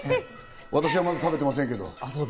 私はまだ食べてませんけど。